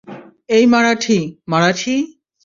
এটা মারাঠি, মারাঠি।